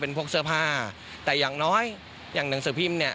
เป็นพวกเสื้อผ้าแต่อย่างน้อยอย่างหนังสือพิมพ์เนี่ย